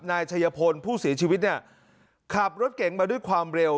นายชัยพลผู้เสียชีวิตเนี่ยขับรถเก๋งมาด้วยความเร็ว